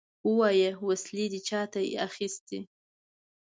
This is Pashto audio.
ووايه! وسلې دې چاته اخيستې؟